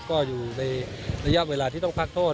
ก็อยู่ในระยะเวลาที่ต้องพักโทษ